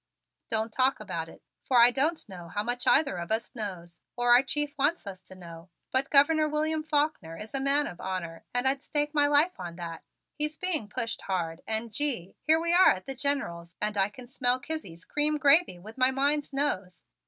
"Don't talk about it, for I don't know how much either of us knows or our chief wants us to know, but Governor Williamson Faulkner is a man of honor and I'd stake my life on that. He's being pushed hard and Gee! Here we are at the General's and I can smell Kizzie's cream gravy with my mind's nose.